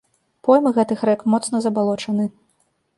Поймы гэтых рэк моцна забалочаны.